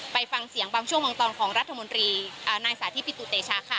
ไปฟังเสียงบางช่วงบางตอนของรัฐมนตรีนายสาธิปิตุเตชะค่ะ